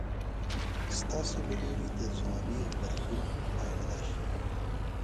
ستاسې له لوري د ځوابي غبرګون پايله دا شي.